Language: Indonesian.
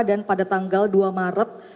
dan pada tanggal dua maret